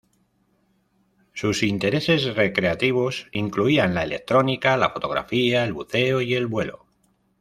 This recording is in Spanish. Sus intereses recreativos incluían la electrónica, la fotografía, el buceo y el vuelo.